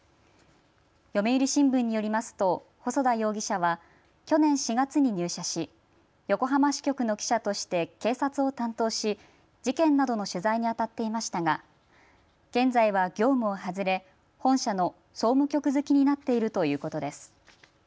読売新聞によりますと細田容疑者は去年４月に入社し横浜支局の記者として警察を担当し事件などの取材にあたっていましたが現在は業務を外れ本社の総務局付になっているということです。